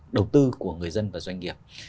đầu tư của người dân và doanh nghiệp